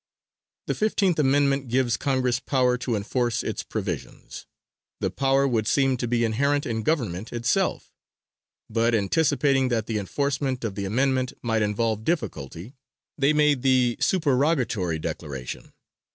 The Fifteenth Amendment gives Congress power to enforce its provisions. The power would seem to be inherent in government itself; but anticipating that the enforcement of the Amendment might involve difficulty, they made the superorogatory declaration.